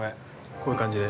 こういう感じで。